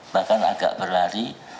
bahkan agak berlari